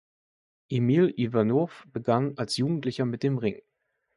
Emil Iwanow begann als Jugendlicher mit dem Ringen.